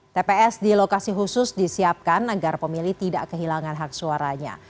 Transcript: tps di lokasi khusus disiapkan agar pemilih tidak kehilangan hak suaranya